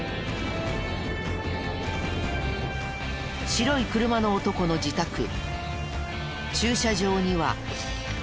白い車の男の自宅駐車場には。